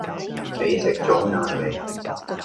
你食左晏未？